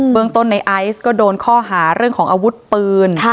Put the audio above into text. เมืองต้นในไอซ์ก็โดนข้อหาเรื่องของอาวุธปืน